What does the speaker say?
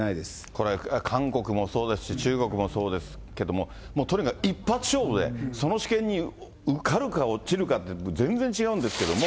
これ、韓国もそうですし、中国もそうですけども、もうとにかく一発勝負で、その試験に受かるか落ちるかで、全然違うんですけども。